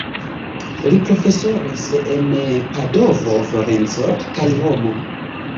Li profesoris en Padovo, Florenco kaj Romo.